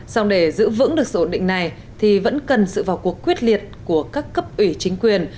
xong để giữ vững được sự ổn định này thì vẫn cần sự vào cuộc quyết liệt của các cấp ủy chính quyền